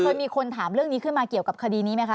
เคยมีคนถามเรื่องนี้ขึ้นมาเกี่ยวกับคดีนี้ไหมคะ